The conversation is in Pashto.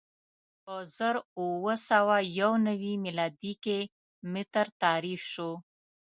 په زر اووه سوه یو نوې میلادي کې متر تعریف شو.